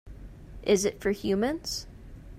Is it for humans?